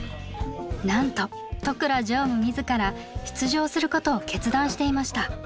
なんと都倉常務自ら出場することを決断していました。